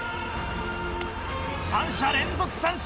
３者連続三振！